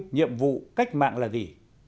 nhiệm vụ cách mạng là gì